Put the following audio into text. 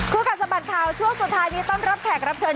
กัดสะบัดข่าวช่วงสุดท้ายนี้ต้องรับแขกรับเชิญ